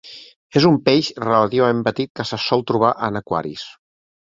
És un peix relativament petit que se sol trobar en aquaris.